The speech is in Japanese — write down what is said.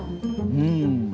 うん。